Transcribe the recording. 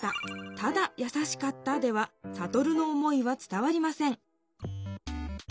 ただ「やさしかった」ではサトルの思いは伝わりません